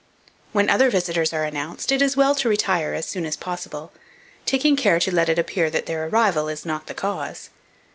When other visitors are announced, it is well to retire as soon as possible, taking care to let it appear that their arrival is not the cause.